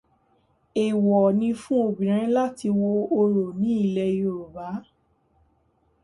Èwọ̀ ni fún obìnrin láti wo orò ní ilẹ̀ Yorùbá.